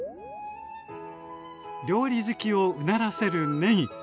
料理好きをうならせるねぎ。